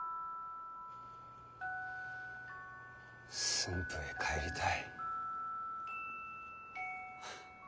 駿府へ帰りたい。